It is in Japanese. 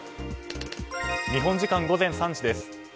日本時間午前３時です。